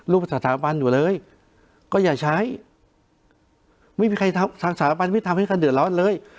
สถาบันอยู่เลยก็อย่าใช้ไม่มีใครทำทางสถาบันไม่ทำให้ใครเดือดร้อนเลย